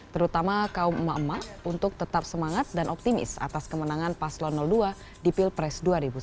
terutama kaum emak emak untuk tetap semangat dan optimis atas kemenangan paslon dua di pilpres dua ribu sembilan belas